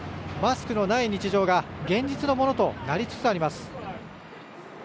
マスクのない日常が現実のものとなりつつあります。